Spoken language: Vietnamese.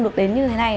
được đến như thế này